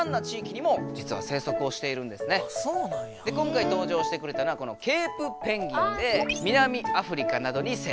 今回とうじょうしてくれたのはこのケープペンギンでへ。